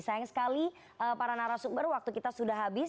sayang sekali para narasumber waktu kita sudah habis